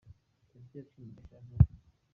Tariki ya cumi Gashyantare